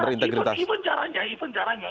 berintegritas even caranya even caranya